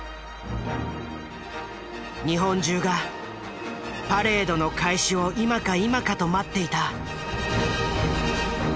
日本中がパレードの開始を今か今かと待っていた。